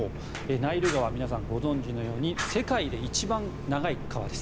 ナイル川は皆さんご存じのように世界で一番長い川です。